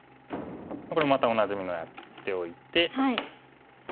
これもまたおなじみのをやっておいて。